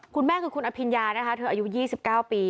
คุณแม่คือคุณอภิญญานะคะเธออายุ๒๙ปี